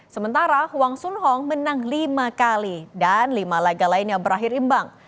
sementara hwang sunghong menang lima kali dan lima laga lain yang berakhir imbang